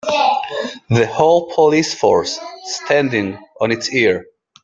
The whole police force standing on it's ear.